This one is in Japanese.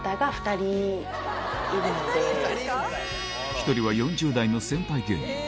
１人は４０代の先輩芸人